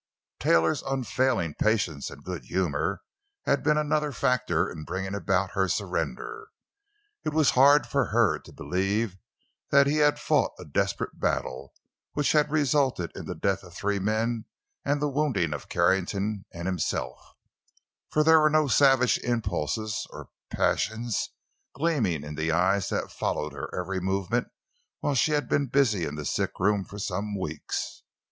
Taylor's unfailing patience and good humor had been another factor in bringing about her surrender. It was hard for her to believe that he had fought a desperate battle which had resulted in the death of three men and the wounding of Carrington and himself; for there were no savage impulses or passions gleaming in the eyes that followed her every movement while she had been busy in the sickroom for some weeks.